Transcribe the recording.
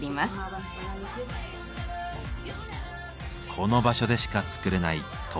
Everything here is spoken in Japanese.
この場所でしか作れない特別なラグ。